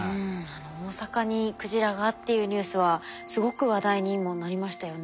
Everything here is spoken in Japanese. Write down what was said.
あの「大阪にクジラが」っていうニュースはすごく話題にもなりましたよね。